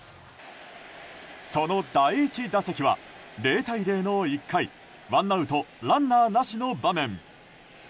その第１打席は、０対０の１回ワンアウトランナーなしの場面。